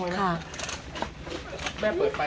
ค่ะ